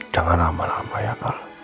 jangan lama lama ya al